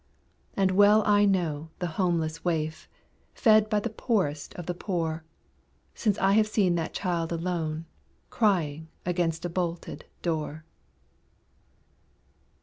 And well I know the homeless waif, Fed by the poorest of the poor; Since I have seen that child alone, Crying against a bolted door.